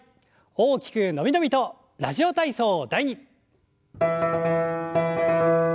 大きく伸び伸びと「ラジオ体操第２」。